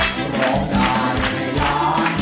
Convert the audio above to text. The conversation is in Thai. คุณร้องได้ไข่ล้าง